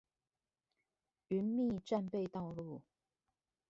澐密戰備道路